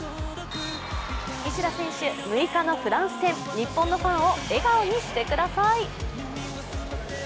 西田選手、６日のフランス戦、日本のファンを笑顔にしてください。